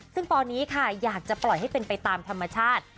ซึ่งตอนนี้ค่ะอยากจะปล่อยให้เป็นไปตามธรรมชาติ